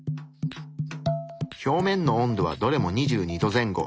表面の温度はどれも２２℃前後。